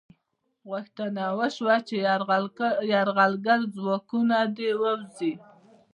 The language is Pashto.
غوښتنه وشوه چې یرغلګر ځواکونه دې ووځي.